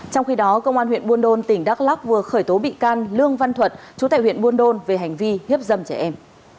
trong khi đó công an huyện buôn đôn tỉnh đắk lắc vừa khởi tố bị can lương văn thuận chú tại huyện buôn đôn về hành vi hiếp dâm trẻ em